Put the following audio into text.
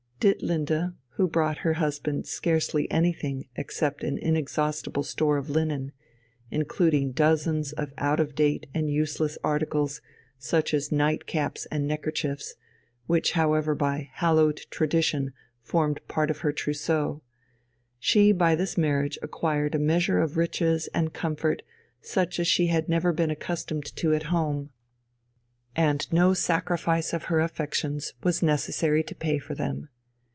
Ditlinde, who brought her husband scarcely anything except an inexhaustible store of linen, including dozens of out of date and useless articles such as night caps and neckerchiefs, which however by hallowed tradition formed part of her trousseau she by this marriage acquired a measure of riches and comfort such as she had never been accustomed to at home: and no sacrifice of her affections was necessary to pay for them.